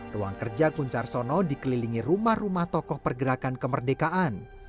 ruang kerja guncarsono dikelilingi rumah rumah tokoh pergerakan kemerdekaan